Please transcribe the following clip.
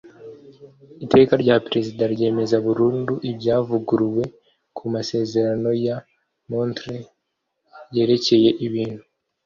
Iteka rya Perezida ryemeza burundu ibyavuguruwe ku masezerano ya Montr al yerekeye ibintu